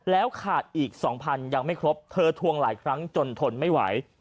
แล้วขาดอีก๒๐๐ยังไม่ครบเธอทวงหลายครั้งจนทนไม่ไหว